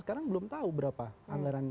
sekarang belum tahu berapa anggaran